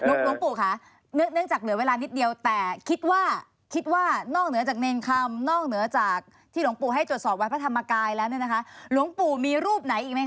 หลวงปู่ค่ะเนื่องจากเหลือเวลานิดเดียวแต่คิดว่าคิดว่านอกเหนือจากเนรคำนอกเหนือจากที่หลวงปู่ให้ตรวจสอบวัดพระธรรมกายแล้วเนี่ยนะคะหลวงปู่มีรูปไหนอีกไหมค